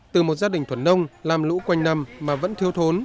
từ một gia đình thuần nông làm lũ quanh năm mà vẫn thiếu thốn